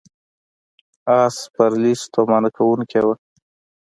آس سپرلي ستومانه کوونکې وه.